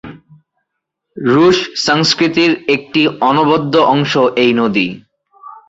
রুশ সংস্কৃতির এক অনবদ্য অংশ এই নদী।